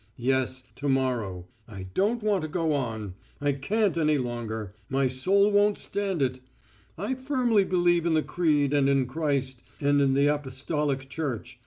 Yes, to morrow I don't want to go on; I can't any longer. My soul won't stand it. I firmly believe in the Creed and in Christ, and in the Apostolic Church.